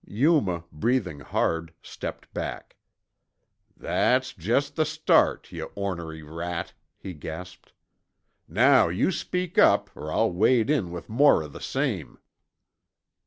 Yuma, breathing hard, stepped back. "That's just the start, yuh ornery rat," he gasped. "Now you speak up or I'll wade in with more o' the same!"